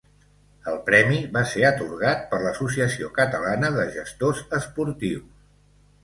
El premi va ser atorgat per l'associació catalana de Gestors Esportius.